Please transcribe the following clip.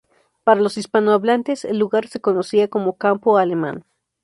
Para los hispanohablantes el lugar se conocía como "Campo Alemán".